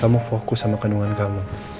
kamu fokus sama kandungan kamu